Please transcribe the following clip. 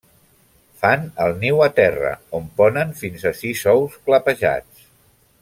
Fan el niu a terra, on ponen fins a sis ous clapejats.